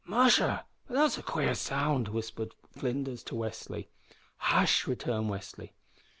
"Musha! but that is a quare sound," whispered Flinders to Westly. "Hush!" returned Westly.